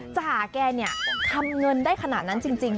จะหาแกเนี่ยทำเงินได้ขนาดนั้นจริง